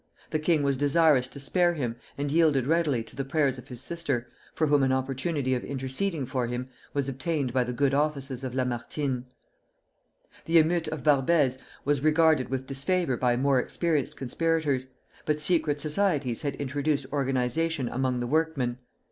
The king was desirous to spare him, and yielded readily to the prayers of his sister, for whom an opportunity of interceding for him was obtained by the good offices of Lamartine. The émeute of Barbès was regarded with disfavor by more experienced conspirators, but secret societies had introduced organization among the workmen.